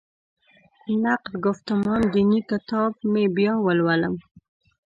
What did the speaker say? نقد ګفتمان دیني کتاب مې بیا ولولم.